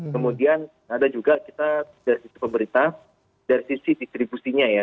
kemudian ada juga kita dari sisi pemerintah dari sisi distribusinya ya